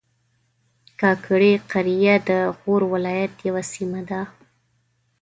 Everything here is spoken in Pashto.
کاکړي قریه د غور ولایت یوه سیمه ده